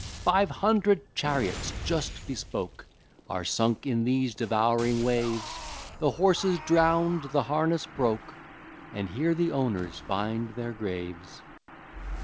Five hundred chariots just bespoke, Are sunk in these devouring waves, The horses drown'd, the harness broke, And here the owners find their graves.